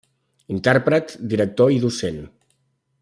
Intèrpret, director i docent.